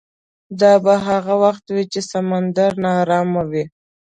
دا به هغه وخت وي چې سمندر ناارامه وي.